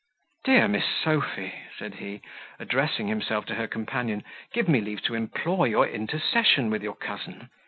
"Dear Miss Sophy," said he, addressing himself to her companion, "give me leave to implore your intercession with your cousin.